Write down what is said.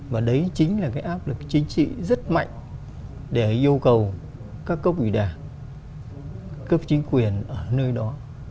và đấy chính là cái áp lực chính trị rất mạnh để yêu cầu các cấp ủy đà cấp chính quyền ở nơi đó